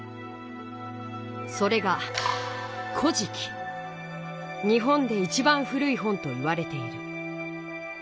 それが日本でいちばん古い本といわれている。